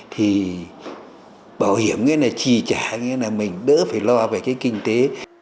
thì bảo hiểm nghĩa là trì trả nghĩa là mình đỡ phải lo về cái kinh tế